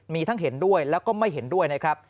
มีทั้งเห็นด้วยแล้วก็ไม่เห็นด้วยนะครับ